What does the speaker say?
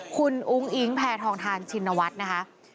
คุณอุ้งอิงแพทองทานชินวัฒน์นะคะ